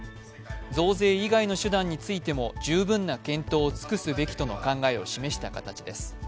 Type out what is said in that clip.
増税以外の手段についても十分な検討を尽くすべきとの考えを示した形です。